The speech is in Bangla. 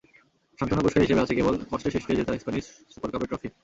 সান্ত্বনা পুরস্কার হিসেবে আছে কেবল কষ্টেসৃষ্টে জেতা স্প্যানিশ সুপার কাপের ট্রফি।